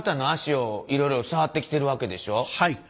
はい。